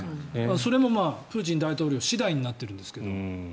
それもプーチン大統領次第になってるんですけども。